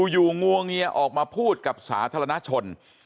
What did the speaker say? งวงเงียออกมาพูดกับสาธารณชน